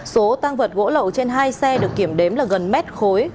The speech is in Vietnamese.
số tăng vật gỗ lậu trên hai xe được kiểm đếm là gần mét khối